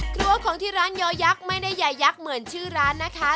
ครัวของที่ร้านยอยักษ์ไม่ได้ใหญ่ยักษ์เหมือนชื่อร้านนะคะ